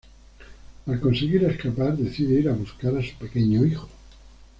Al conseguir escapar, decide ir a buscar a su pequeño hijo.